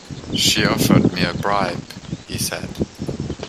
She offered me a bribe, he said.